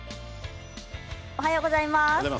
おはようございます。